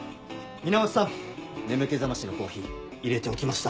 源さん眠気覚ましのコーヒー入れておきました。